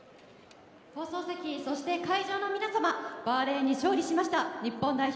放送席そして会場の皆様バーレーンに勝利しました日本代表